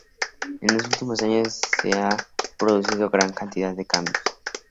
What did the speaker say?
En los últimos años se han producido gran cantidad de cambios.